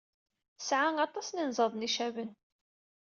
Tesɛa aṭas n yenẓaden icaben.